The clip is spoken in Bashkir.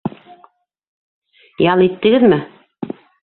Ял иттегеҙме?